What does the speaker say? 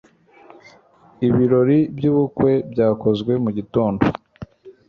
ibirori byubukwe byakozwe mugitondo